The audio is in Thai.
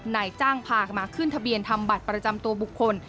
นายจ้างพากันมาขึ้นทะเบียนทำบัตรประจำตัวบุคคล